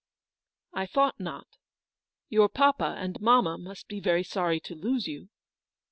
" I thought not. Your papa and mamma must be very sorry to lose you